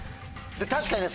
確かにね。